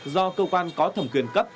do cơ quan có thẩm quyền cấp